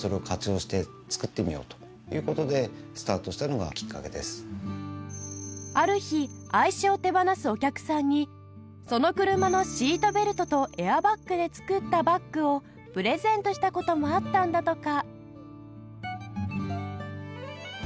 内ポケットも付いて上村さんのある日愛車を手放すお客さんにその車のシートベルトとエアバッグで作ったバッグをプレゼントした事もあったんだとか